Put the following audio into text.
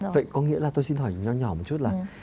vậy có nghĩa là tôi xin hỏi nhỏ một chút là